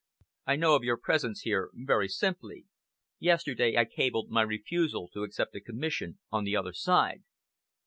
"I know of your presence here very simply. Yesterday I cabled my refusal to accept a commission on the other side."